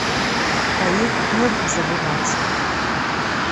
Пра іх нельга забывацца.